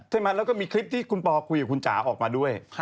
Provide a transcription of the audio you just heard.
ใช่ไหมแล้วก็มีคลิปที่คุณปอคุยกับคุณจ๋าออกมาด้วย